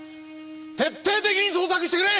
徹底的に捜索してくれ！